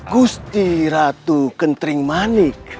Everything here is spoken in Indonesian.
gusti ratu kentring manik